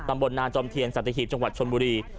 ตำบลนาจอมเทียนสัตหีบจังหวัดชนบุรี